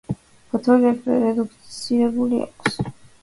ფოთოლი რედუცირებული აქვს.